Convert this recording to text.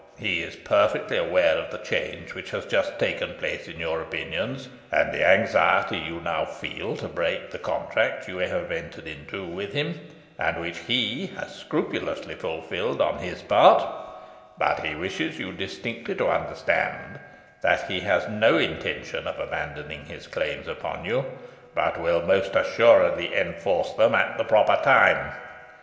He is perfectly aware of the change which has just taken place in your opinions, and the anxiety you now feel to break the contract you have entered into with him, and which he has scrupulously fulfilled on his part; but he wishes you distinctly to understand, that he has no intention of abandoning his claims upon you, but will most assuredly enforce them at the proper time.